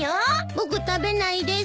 僕食べないです。